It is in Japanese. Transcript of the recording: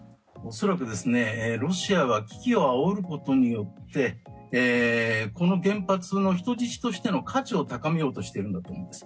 恐らくロシアは危機をあおることによってこの原発の人質としての価値を高めようとしているんだと思います。